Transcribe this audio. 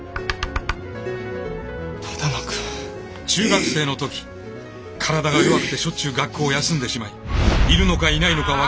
只野くん。中学生の時体が弱くてしょっちゅう学校を休んでしまいいるのかいないのか分からない